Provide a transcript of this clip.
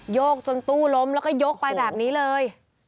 โยกจนตู้ล้มแล้วก็ยกไปแบบนี้เลย